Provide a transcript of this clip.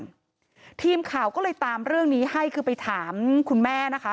ทีมข่าวก็เลยตามเรื่องนี้ให้คือไปถามคุณแม่นะคะ